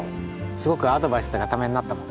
すごくアドバイスとかためになったもん。